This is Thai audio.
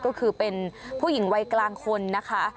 ก็คือเป็นผู้หญิงวัยกลางคนนะคะ